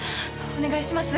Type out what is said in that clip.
お願いします